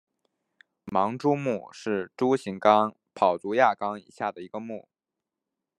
盲蛛目是蛛形纲跑足亚纲以下的一个目。